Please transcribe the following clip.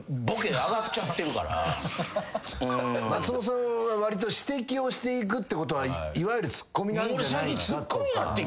松本さんはわりと指摘をしていくってことはいわゆるツッコミなんじゃないかと。